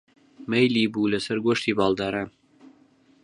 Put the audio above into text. مەیلی بوو لەسەر گۆشتی باڵداران